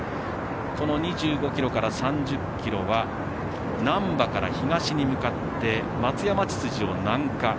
この２５ｋｍから３０ｋｍは難波から東に向かって松屋町筋を南下。